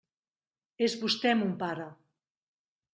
És vostè mon pare.